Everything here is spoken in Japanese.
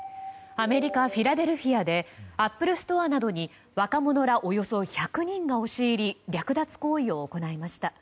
アメリカフィラデルフィアでアップルストアなどに若者らおよそ１００人が押し入り略奪行為を行いました。